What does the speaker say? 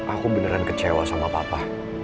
aku beneran kecewa sama papa